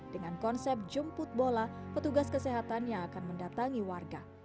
dengan konsep jemput bola petugas kesehatan yang akan mendatangi warga